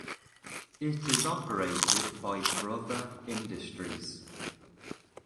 It is operated by Brother Industries.